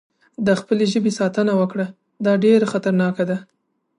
د خپل ژبې ساتنه وکړه، دا ډېره خطرناکه ده.